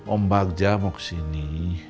om bagja mau kesini